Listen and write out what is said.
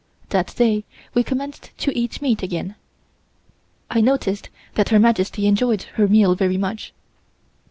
That day we commenced to eat meat again. I noticed that Her Majesty enjoyed her meal very much.